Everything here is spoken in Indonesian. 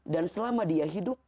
dan selama dia hidup